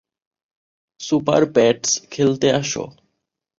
Super-Pets, খেলতে আসো।